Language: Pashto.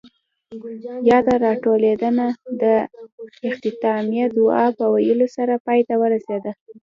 ياده راټولېدنه د اختتامیه دعاء پۀ ويلو سره پای ته ورسېده.